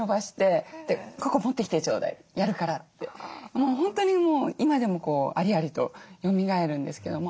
もう本当に今でもありありとよみがえるんですけども。